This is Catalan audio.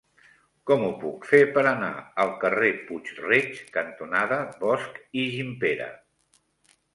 Com ho puc fer per anar al carrer Puig-reig cantonada Bosch i Gimpera?